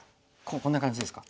こんな感じですか？